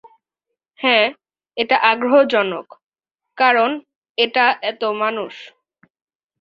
হ্যাঁ, এটা আগ্রহজনক কারণ এটা এত মানুষ।